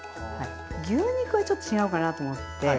牛肉はちょっと違うかなと思って。